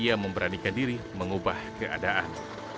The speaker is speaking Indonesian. ia memberanikan diri mengubah keadaan